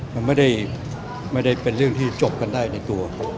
มันไม่ได้เป็นเรื่องที่จบกันได้ในตัว